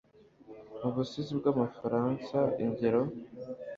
mu busizi bw'abafaransa.ingero